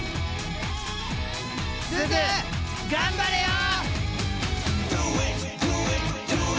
すず頑張れよ！